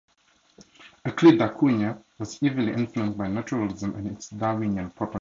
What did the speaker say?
Euclides da Cunha was heavily influenced by Naturalism and its Darwinian proponents.